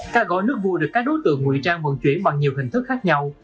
các gói nước vui được các đối tượng ngụy trang vận chuyển bằng nhiều hình thức khác nhau